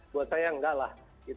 buat saya enggak lah